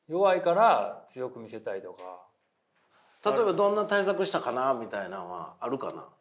例えばどんな対策したかなみたいなんはあるかな？